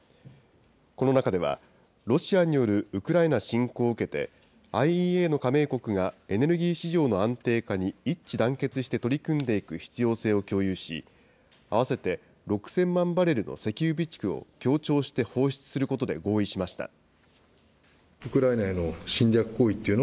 この中では、ロシアによるウクライナ侵攻を受けて、ＩＥＡの加盟国が、エネルギー市場の安定化に一致団結して取り組んでいく必要性を共有し、合わせて６０００万バレルの石油備蓄を協調して放出することで合意しました。